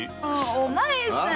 お前さん！